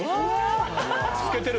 透けてる！